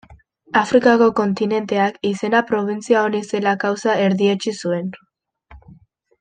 Afrikako kontinenteak izena probintzia honi zela kausa erdietsi zuen.